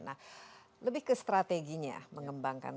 nah lebih ke strateginya mengembangkan